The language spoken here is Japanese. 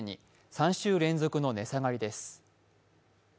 ３週連続の値下がりです。